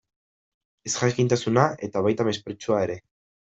Ezjakintasuna, eta baita mespretxua ere.